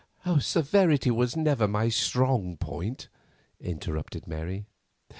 "Severity was never my strong point," interrupted Mary.